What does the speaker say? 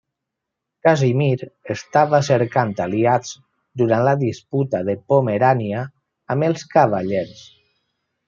Casimir estava cercant aliats durant la disputa de Pomerània amb els Cavallers.